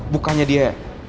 bukannya dia ya